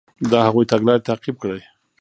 د هغوی تګلارې تعقیب کړئ.